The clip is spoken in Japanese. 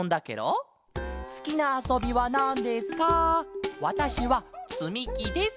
「すきなあそびはなんですか？わたしはつみきです」。